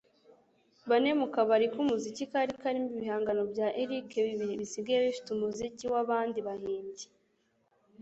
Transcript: Bane mu kabari k'umuziki kari karimo ibihangano bya Eric, bibiri bisigaye bifite umuziki w'abandi bahimbyi.